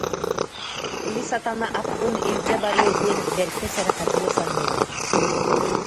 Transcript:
Били сатана аппын илдьэ барыа диэн бэркэ сэрэхэдийэ саныырым